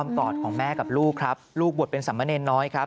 กอดของแม่กับลูกครับลูกบวชเป็นสามเณรน้อยครับ